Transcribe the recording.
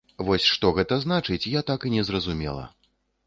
Вось што гэта значыць, я так і не зразумела.